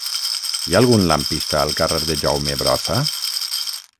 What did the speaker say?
Hi ha algun lampista al carrer de Jaume Brossa?